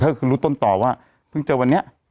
ก็คือรู้ต้นต่อว่าเพิ่งเจอวันนี้